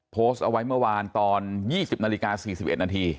โพสต์เอาไว้เมื่อวานตอน๒๐นาฬิกา๔๑นาที